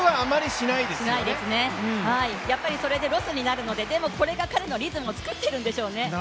しないですね、やっぱりそれでロスになるのででもこれが彼のリズムを作っているんでしょうね。